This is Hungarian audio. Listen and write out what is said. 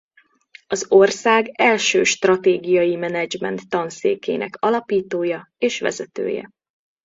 Az ország első stratégiai menedzsment tanszékének alapítója és vezetője.